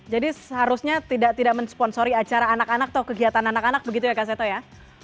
jadi seharusnya tidak tidak mensponsori acara anak anak atau kegiatan anak anak begitu ya kak seto ya